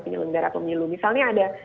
penyelenggara pemilu misalnya ada